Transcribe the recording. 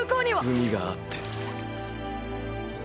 海があって。